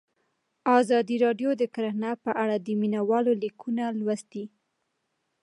ازادي راډیو د کرهنه په اړه د مینه والو لیکونه لوستي.